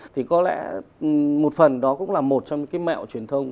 thì có lẽ một phần đó cũng là một trong những cái mẹo truyền thông